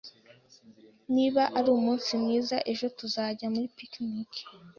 Niba ari umunsi mwiza ejo, tuzajya muri picnic